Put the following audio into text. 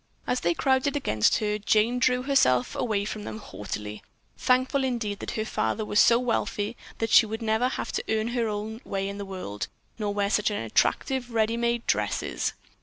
As they crowded against her, Jane drew herself away from them haughtily, thankful, indeed, that her father was so wealthy that she would never have to earn her own way in the world, nor wear such unattractive ready made dresses.